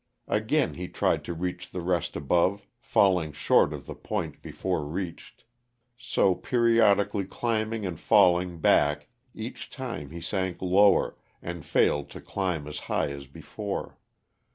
Again he tried to reach the rest above, falling short of the point before reached. So periodically climbing and falling back, each time he sank lower and failed to climb as high as before.